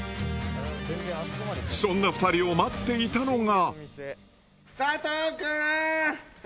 そんな２人を待っていたのが。